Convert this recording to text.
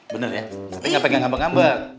bener ya tapi nggak pakai ngambek ngambek